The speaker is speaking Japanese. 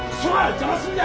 邪魔すんな！